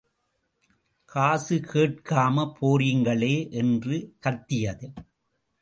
காசு கேட்காம போறீங்களே என்று கத்தியது.